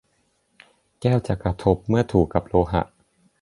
แก้วจะกระทบเมื่อถูกกับโลหะ